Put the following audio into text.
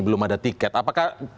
belum ada tiket apakah